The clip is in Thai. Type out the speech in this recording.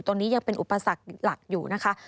ตอนนี้ยังเป็นอุปสรรคหลักอยู่นะคะ